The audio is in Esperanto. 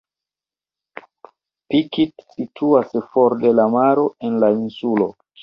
Pikit situas for de la maro en la insulo.